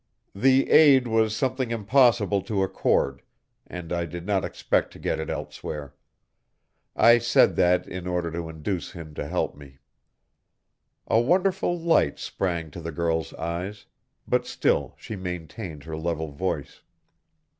"The aid was something impossible to accord, and I did not expect to get it elsewhere. I said that in order to induce him to help me." A wonderful light sprang to the girl's eyes, but still she maintained her level voice.